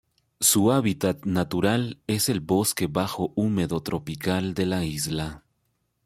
Su hábitat natural es el bosque bajo húmedo tropical de la isla.